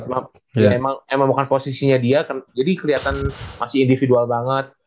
emang bukan posisinya dia jadi kelihatan masih individual banget